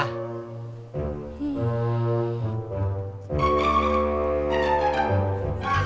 hmm nasi ompur